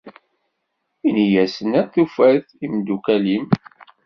Ini-asen ar tufat i yimeddukal-im.